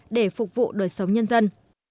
để phục vụ đời sống nhân dân